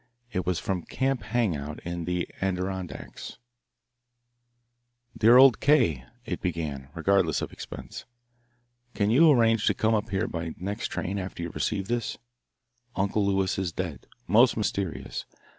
It was from Camp Hang out in the Adirondacks. "Dear old K.," it began, regardless of expense, "can you arrange to come up here by next train after you receive this? Uncle Lewis is dead. Most mysterious.